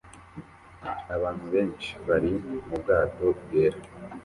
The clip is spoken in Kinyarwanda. Abantu benshi bari mu bwato bwera